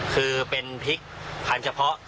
คือเป็นพริกพันธุ์เฉพาะ